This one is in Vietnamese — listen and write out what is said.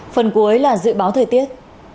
phần cuối là dự báo thời tiết